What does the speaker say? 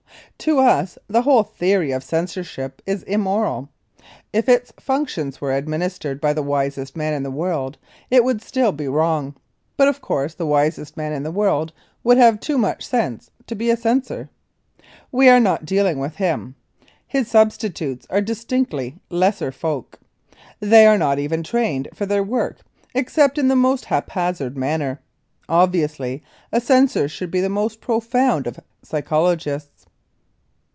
To us the whole theory of censorship is immoral. If its functions were administered by the wisest man in the world it would still be wrong. But of course the wisest man in the world would have too much sense to be a censor. We are not dealing with him. His substitutes are distinctly lesser folk. They are not even trained for their work except in the most haphazard manner. Obviously a censor should be the most profound of psychologists.